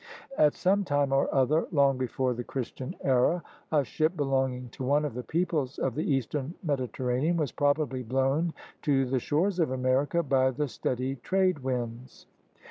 At some time or other, long before the Christian era, a ship belonging to one of the peoples of the eastern Mediterranean was probably blown to the shores of America by the steady trade winds.